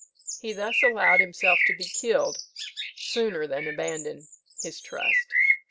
He thus allowed himself to be killed sooner than abandon his trust.